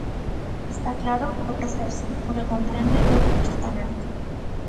Está claro o proceso, o que comprende e o que custa tamén.